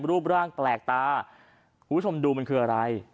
รูปร่างแปลกตาคุณผู้ชมดูมันคืออะไร